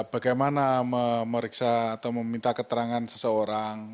bagaimana memeriksa atau meminta keterangan seseorang